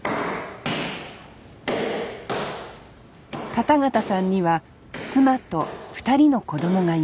片方さんには妻と２人の子供がいます。